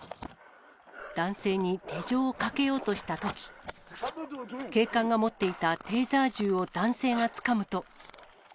男性に手錠をかけようとしたとき、警官が持っていたテーザー銃を男性がつかむと。